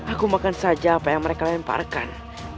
aku makan saja apa yang mereka lemparkan